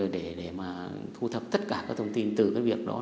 để mà thu thập tất cả các thông tin từ cái việc đó